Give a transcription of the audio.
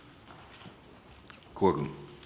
古賀君。